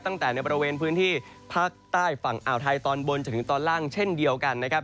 ตั้งแต่ในบริเวณพื้นที่ภาคใต้ฝั่งอ่าวไทยตอนบนจนถึงตอนล่างเช่นเดียวกันนะครับ